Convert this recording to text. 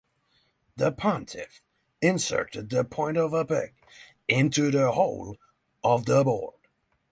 The pontiff inserted the point of a peg into the hole of the board.